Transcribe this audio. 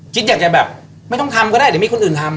คิดอยากจะแบบไม่ต้องทำก็ได้เดี๋ยวมีคนอื่นทำ